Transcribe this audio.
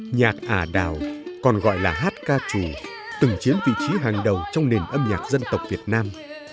nhạc ả đào còn gọi là hát ca trù từng chiến vị trí hàng đầu trong nền âm nhạc dân tộc việt nam